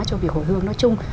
cho việc hồi hương nói chung